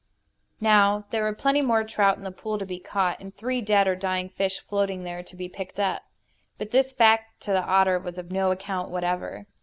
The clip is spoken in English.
Now, there were plenty more trout in the pool to be caught, and three dead or dying fish floating there to be picked up. But this fact to the otter was of no account whatever.